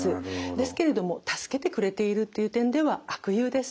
ですけれども助けてくれているという点では悪友です。